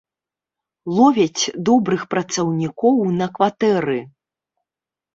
Ловяць добрых працаўнікоў на кватэры!